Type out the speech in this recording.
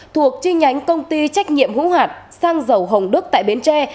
thuộc chi nhánh công ty trách nhiệm hữu hạt sang dầu hồng đức tại bến tre